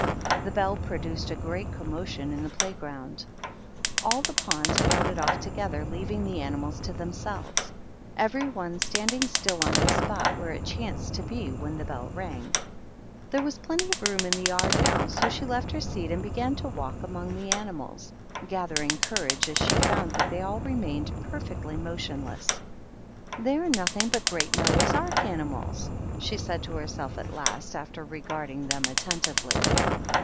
The bell produced a great commotion in the playground. All the pawns crowded off together, leaving the animals to themselves, — every one standing still on the spot where it chanced to be when the bell rang. There was plenty of room in the yard now, so she left her seat and began to walk about among the animals, gathering courage as she found that they all remained perfectly mo tionless. "They are nothing but great Noah's Ark animals," she said to herself at last, after regarding them attentively.